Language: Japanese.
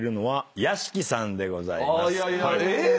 えっ⁉